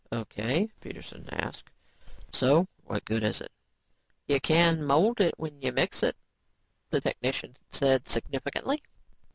"O.K.," Peterson asked, "so what good is it?" "You can mold it when you mix it," the technician said significantly.